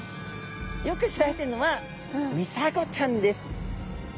よく知られてるのはミサゴちゃんです。